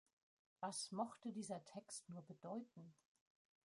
Was mochte dieser Text nur bedeuten?